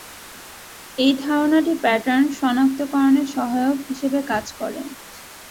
এই ধারণাটি প্যাটার্ন শনাক্তকরণে সহায়ক হিসেবে কাজ করে।